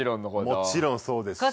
もちろんそうですし。